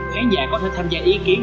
khán giả có thể tham gia ý kiến